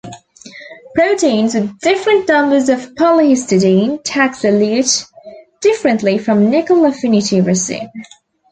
Proteins with different numbers of polyhistidine tags elute differently from nickel-affinity resin.